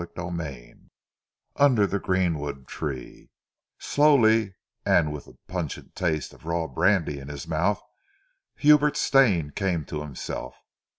CHAPTER IX UNDER THE GREENWOOD TREE Slowly, and with the pungent taste of raw brandy in his mouth, Hubert Stane came to himself.